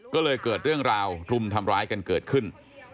ก็เลยเกิดเรื่องราวรุมทำร้ายกันเกิดขึ้น